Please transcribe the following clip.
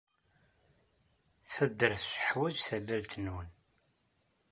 Taddart teḥwaj tallalt-nwen.